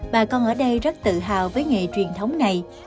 bà con ở đây rất tự hào với nghề truyền thống này